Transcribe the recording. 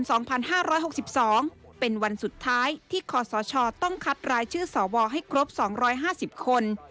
วัน๕๖๒เป็นวันสุดท้ายที่ขอสอชอต้องคัดรายชื่อสวให้ครบ๒๕๐คน